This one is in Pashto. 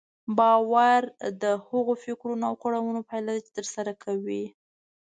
باور د هغو فکرونو او کړنو پايله ده چې ترسره کوئ.